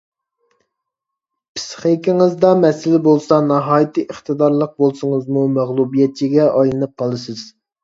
پىسخىكىڭىزدا مەسىلە بولسا ناھايىتى ئىقتىدارلىق بولسىڭىزمۇ مەغلۇبىيەتچىگە ئايلىنىپ قالىسىز.